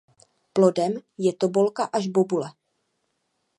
Plodem je tobolka až bobule.